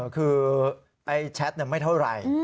คือไอ้แชทไม่เท่าไหร่